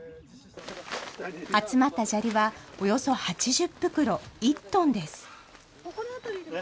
集まった砂利はおよそ８０袋、１トンです。